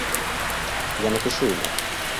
Я напишу ему.